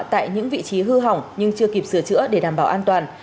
tại những vị trí hư hỏng nhưng chưa kịp sửa chữa để đảm bảo an toàn